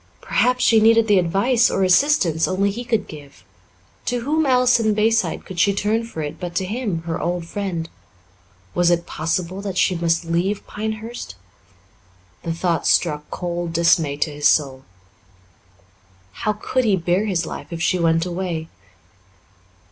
Perhaps she needed the advice or assistance only he could give. To whom else in Bayside could she turn for it but to him, her old friend? Was it possible that she must leave Pinehurst? The thought struck cold dismay to his soul. How could he bear his life if she went away?